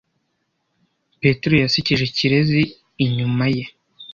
Petero yasekeje Kirezi inyuma ye.